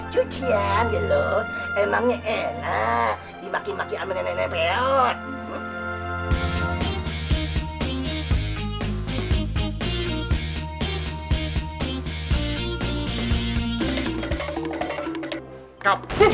cucian ya lo emangnya enak dimaki maki aminan enak